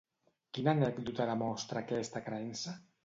Quina anècdota demostra aquesta creença?